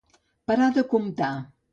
Parar de comptar.